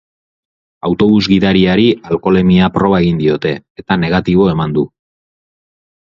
Autobus gidariari alkoholemia proba egin diote, eta negatibo eman du.